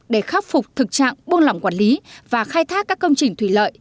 để khắc phục thực trạng buông lỏng quản lý và khai thác các công trình thủy lợi